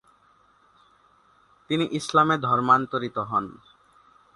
তিনি ইসলামে ধর্মান্তরিত হন।